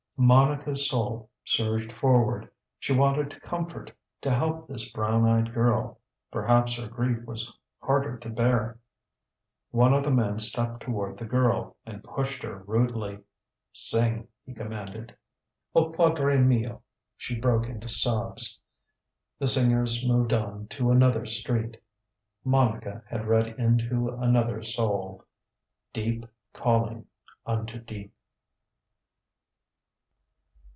MONICA'S soul surged forward. She wanted to comfort, to help this brown eyed girl. Perhaps her grief was harder to bear. ONE of the men stepped toward the girl and pushed her rudely. SING he commanded. O PADRE MIO she broke into sobs. The singers moved on to another street. MONICA had read into another soul. DEEP calling unto deep.